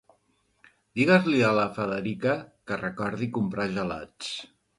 Digues-l'hi a la Federica que recordi comprar gelats.